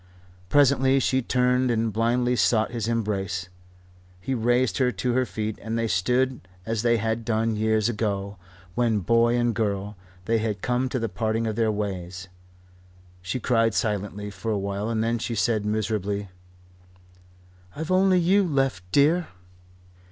Presently she turned and blindly sought his embrace. He raised her to her feet, and they stood as they had done years ago, when, boy and girl, they had come to the parting of their ways. She cried silently for a while, and then she said miserably: "I've only you left, dear."